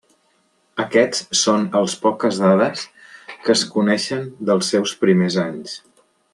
Aquests són els poques dades que es coneixen dels seus primers anys.